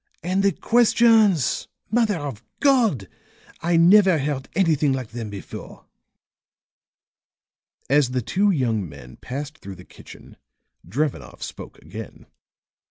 And the questions! Mother of God! I never heard anything like them before." As the two young men passed through the kitchen Drevenoff spoke again.